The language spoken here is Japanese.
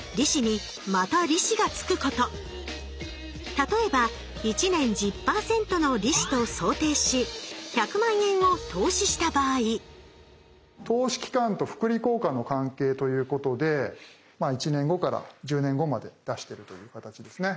例えば１年１０％の利子と想定し１００万円を投資した場合投資期間と複利効果の関係ということで１年後から１０年後まで出してるという形ですね。